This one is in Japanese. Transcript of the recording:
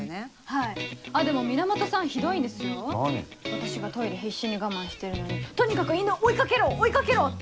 私がトイレ必死に我慢してるのにとにかく犬を追い掛けろ追い掛けろって。